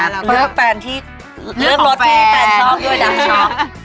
เลือกแบรนด์ที่เชาะโดยดักชอม